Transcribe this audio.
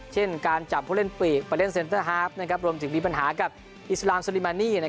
เช่นการจับผู้เล่นปีกไปเล่นเซ็นเตอร์ฮาร์ฟรวมถึงมีปัญหากับอิสลามซูลิมานี่